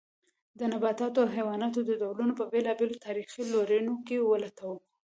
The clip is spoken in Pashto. د نباتاتو او حیواناتو د ډولونو په بېلابېلو تاریخي لورینو کې ولټوو.